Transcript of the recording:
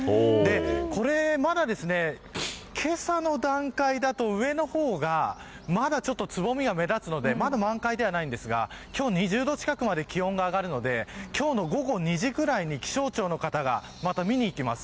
これまだ、けさの段階だと上の方が、まだちょっとつぼみが目立つのでまだ満開ではないんですが今日２０度近くまで気温が上がるので今日の午後２時ぐらいに気象庁の方がまた見にいきます。